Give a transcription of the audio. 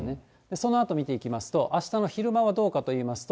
そのあと見ていきますと、あしたの昼間はどうかといいますと。